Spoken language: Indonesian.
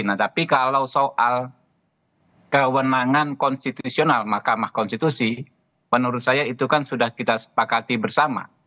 nah tapi kalau soal kewenangan konstitusional mahkamah konstitusi menurut saya itu kan sudah kita sepakati bersama